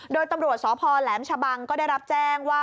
โดยตำรวจสพแหลมชะบังก็ได้รับแจ้งว่า